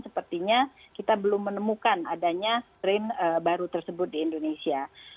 sepertinya kita belum menemukan adanya strain baru tersebut di indonesia